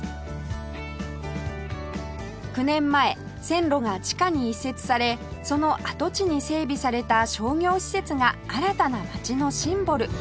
９年前線路が地下に移設されその跡地に整備された商業施設が新たな街のシンボル